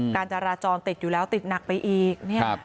กาญจาราจรติดอยู่แล้วติดหนักไปอีก